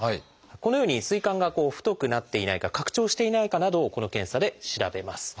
このように膵管が太くなっていないか拡張していないかなどをこの検査で調べます。